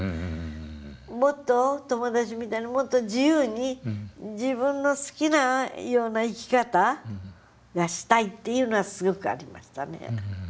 もっと友達みたいにもっと自由に自分の好きなような生き方がしたいっていうのはすごくありましたね。